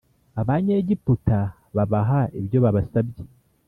Abanyegiputa babaha ibyo babasabye